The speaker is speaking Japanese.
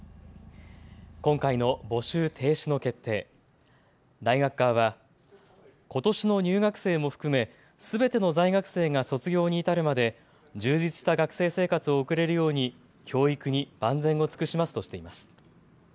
今回の募集停止の決定大学側はことしの入学生も含めすべての在学生が卒業に至るまで充実した学生生活を送れるように教育に万全を尽くしますとしています。